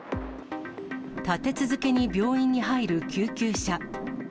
立て続けに病院に入る救急車。